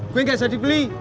gue nggak jadi beli